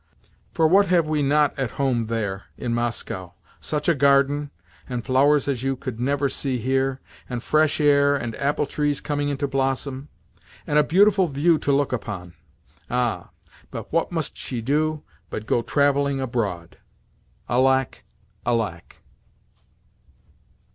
For what have we not at home there, in Moscow? Such a garden and flowers as you could never see here, and fresh air and apple trees coming into blossom,—and a beautiful view to look upon. Ah, but what must she do but go travelling abroad? Alack, alack!"